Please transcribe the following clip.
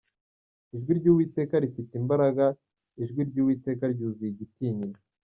Ijwi ry’Uwiteka rifite imbaraga, Ijwi ry’Uwiteka ryuzuye igitinyiro.